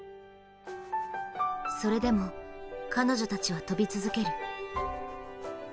それでも、彼女たちは跳び続ける。